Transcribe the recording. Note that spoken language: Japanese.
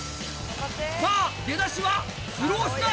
さぁ出だしはスロースタート！